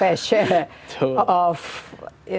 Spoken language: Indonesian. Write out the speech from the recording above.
bagian yang berbagi teknologi